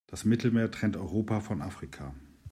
Das Mittelmeer trennt Europa von Afrika.